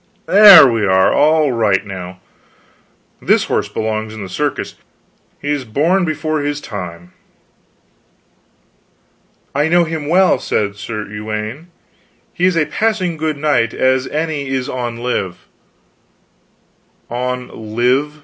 There, we are all right now. This horse belongs in the circus; he is born before his time." "I know him well, said Sir Uwaine, he is a passing good knight as any is on live." "On live.